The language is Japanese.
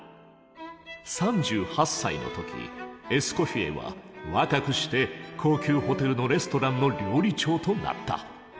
３８歳の時エスコフィエは若くして高級ホテルのレストランの料理長となった。